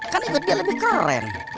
kan ikut dia lebih keren